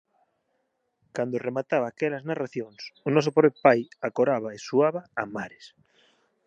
Cando remataba aquelas narracións, o noso pobre pai acoraba e suaba a mares